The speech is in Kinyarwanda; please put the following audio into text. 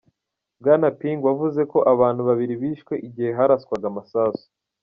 Bwana Ping wavuze ko abantu babiri bishwe igihe haraswaga amasasu.